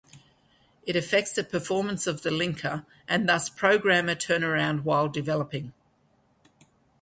It affects the performance of the linker and thus programmer turnaround while developing.